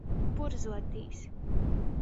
Purzuotīs.